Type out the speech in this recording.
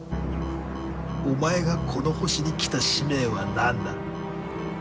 お前が、この星に来た使命は何だ？